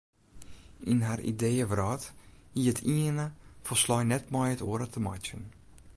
Yn har ideeëwrâld hie it iene folslein net met it oare te meitsjen.